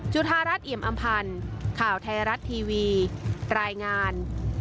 จุธารัฐเอี่ยมอำพันธ์ข่าวไทยรัฐทีวีรายงาน